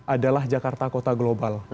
adalah jakarta kota global